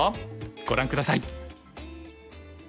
ご覧下さい。